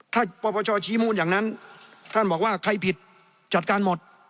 ถ้าปปชชี้มูลอย่างนั้นท่านบอกว่าใครผิดจัดการหมด